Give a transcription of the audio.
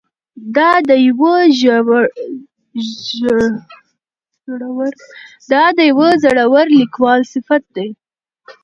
دا د یوه زړور لیکوال صفت دی.